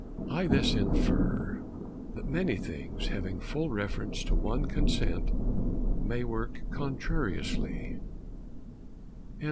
I this infer, That many things, having full reference To one consent, may work contrariously.